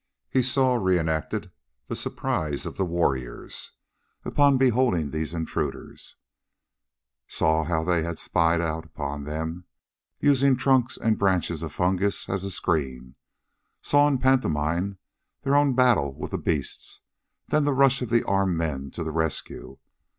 He saw reenacted the surprise of the warriors upon beholding these intruders; saw how they had spied out upon them, using trunks and branches of the fungus as a screen; saw in pantomime their own battle with the beasts, then the rush of the armed men to the rescue.